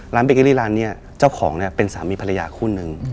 เบเกอรี่ร้านนี้เจ้าของเนี่ยเป็นสามีภรรยาคู่นึง